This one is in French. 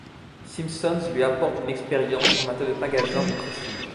Simpsons lui apporte une expérience en matière de magasins de prestige.